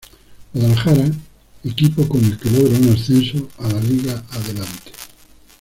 Guadalajara, equipo con el que logra un ascenso a la Liga Adelante.